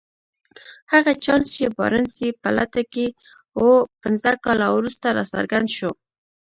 هغه چانس چې بارنس يې په لټه کې و پنځه کاله وروسته راڅرګند شو.